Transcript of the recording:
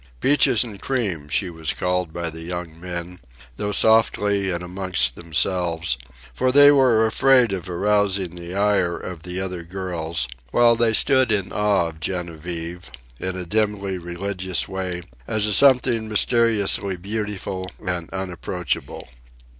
"Peaches and cream," she was called by the young men though softly and amongst themselves, for they were afraid of arousing the ire of the other girls, while they stood in awe of Genevieve, in a dimly religious way, as a something mysteriously beautiful and unapproachable.